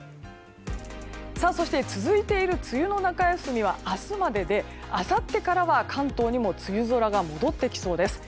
そして、続いている梅雨の中休みは明日までであさってからは関東にも梅雨空が戻ってきそうです。